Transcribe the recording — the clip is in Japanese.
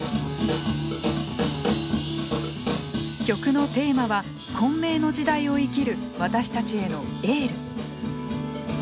曲のテーマは混迷の時代を生きる私たちへのエール。